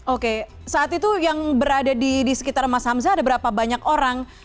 oke saat itu yang berada di sekitar mas hamzah ada berapa banyak orang